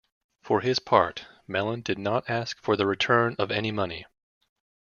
For his part, Mellon did not ask for the return of any money.